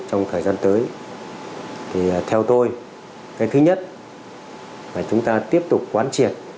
trong thời gian tới thì theo tôi cái thứ nhất là chúng ta tiếp tục quán triệt